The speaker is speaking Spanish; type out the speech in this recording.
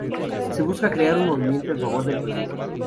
Se busca crear un movimiento en favor del proyecto.